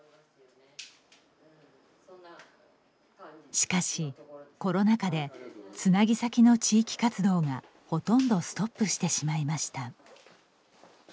しかし、コロナ禍でつなぎ先の地域活動がほとんどストップしてしまいました。